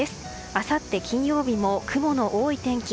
あさって金曜日も雲の多い天気。